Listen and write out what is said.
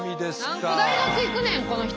何個大学行くねんこの人。